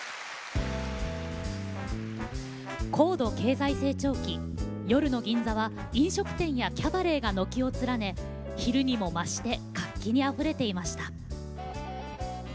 高度経済成長期夜の銀座は飲食店やキャバレーが軒を連ね昼にも増して活気にあふれていました。